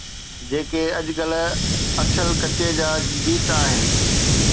جيڪي اڄڪلهه اڇل ڪڇي جا گيت آهن.